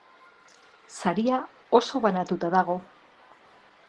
Saria oso banatuta dago.